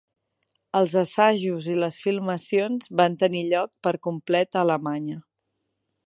Els assajos i les filmacions van tenir lloc per complet a Alemanya.